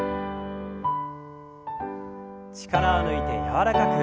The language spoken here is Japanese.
力を抜いて柔らかく。